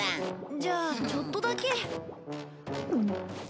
じゃあちょっとだけ。